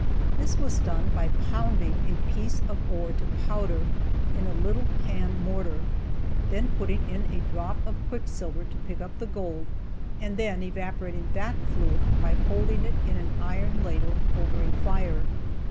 This was done by pounding a piece of ore to powder in a little hand mortar, then putting in a drop of quicksilver to pick up the gold, and then evaporating that fluid by holding it in an iron ladle over a fire.